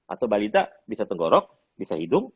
atau balita bisa tenggorok bisa hidung